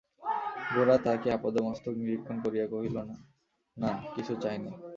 গোরা তাহাকে আপাদমস্তক নিরীক্ষণ করিয়া কহিল, না, কিছু চাই নে।